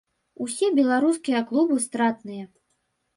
Усе беларускія клубы стратныя.